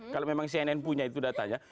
kalau memang cnn punya itu datanya